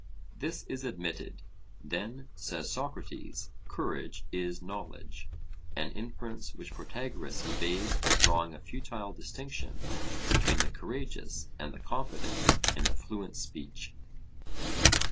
This is admitted. Then, says Socrates, courage is knowledge an inference which Protagoras evades by drawing a futile distinction between the courageous and the confident in a fluent speech.